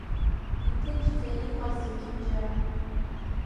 Иҭынчӡа иҟан зегьынџьара.